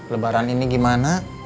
lebaran ini gimana